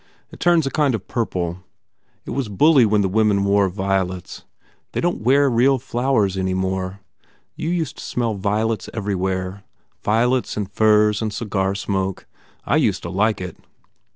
It turns a kind of purple. ... It was bully when the women wore violets. They don t wear real flowers any more. You used to smell violets everywhere. Vio lets and furs and cigar smoke. I used to like it."